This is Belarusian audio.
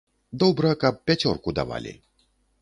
Добра, каб пяцёрку давалі.